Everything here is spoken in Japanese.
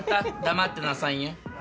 黙ってなさいよ。